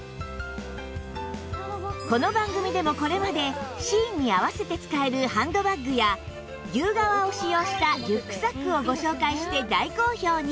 この番組でもこれまでシーンに合わせて使えるハンドバッグや牛革を使用したリュックサックをご紹介して大好評に